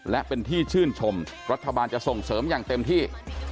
และเป็นที่ชื่นชมรัฐบาลจะส่งเสริมอย่างเต็มที่